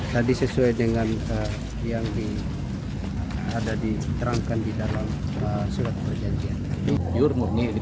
tadi sesuai dengan yang ada diterangkan di dalam surat perjanjian